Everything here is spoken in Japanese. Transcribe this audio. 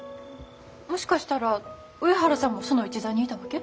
もしかしたら上原さんもその一座にいたわけ？